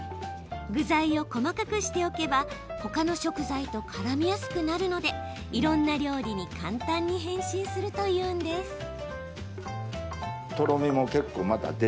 具材を細かくしておけばほかの食材とからみやすくなるのでいろんな料理に簡単に変身するというんです。